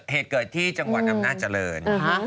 เหตุเกิดที่จังหวัดอำนาจริง